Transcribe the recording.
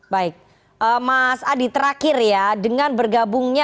baik mas adi terakhir ya dengan bergabungnya